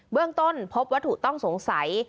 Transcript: เรื่องต้นพบวัตถุต้องสงสัย